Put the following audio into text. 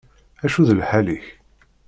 Acu d lḥal-ik?